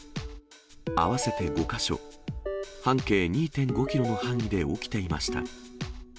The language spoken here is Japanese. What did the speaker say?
合わせて５か所、半径２．５キロの範囲で起きていました。